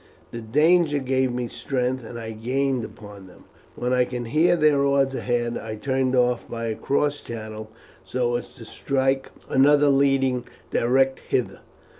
The danger gave me strength, and I gained upon them. When I could hear their oars ahead I turned off by a cross channel so as to strike another leading direct hither.